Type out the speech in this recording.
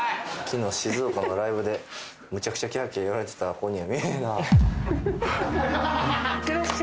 昨日静岡のライブでむちゃくちゃキャーキャー言われてた子には見えへんなふふふ